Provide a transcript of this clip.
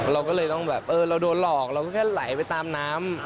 เราก็เลยต้องแบบเออเราโดนหลอกเราก็แค่ไหลไปตามน้ำ